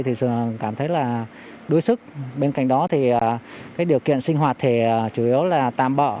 thì dường cảm nhận được các nhiệm vụ được giao